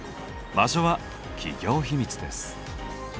場所は企業秘密です。